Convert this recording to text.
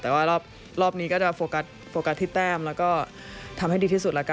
แต่ว่ารอบนี้ก็จะโฟกัสโฟกัสที่แต้มแล้วก็ทำให้ดีที่สุดละกัน